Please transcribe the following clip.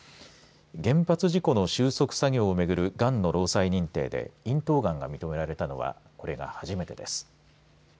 原発事故の収束作業をめぐるがんの労災認定で咽頭がんが認められたのはこれが初めてです。